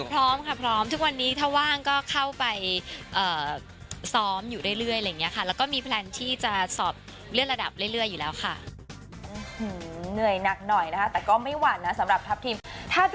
พร้อมค่ะพร้อมทุกวันนี้ถ้าว่างก็เข้าไปซ้อมอยู่เรื่อยอะไรอย่างนี้ค่ะแล้วก็มีแพลนที่จะสอบเลื่อนระดับเรื่อยอยู่แล้วค่ะ